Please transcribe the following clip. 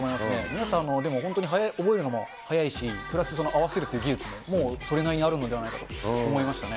皆さん、でも本当に覚えるのも早いし、プラス、合わせるっていう技術も、もう、それなりにあるのではないかなと思いましたね。